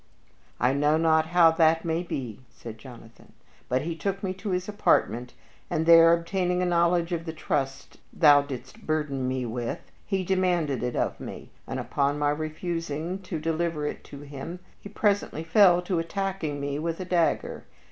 "I know not how that may be," said Jonathan, "but he took me to his apartment, and there, obtaining a knowledge of the trust thou didst burden me with, he demanded it of me, and upon my refusing to deliver it to him he presently fell to attacking me with a dagger.